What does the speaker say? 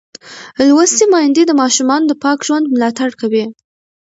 لوستې میندې د ماشومانو د پاک ژوند ملاتړ کوي.